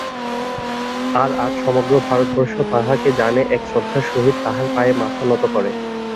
আর আজ সমগ্র ভারতবর্ষ তাঁহাকে জানে এবং শ্রদ্ধার সহিত তাঁহার পায়ে মাথা নত করে।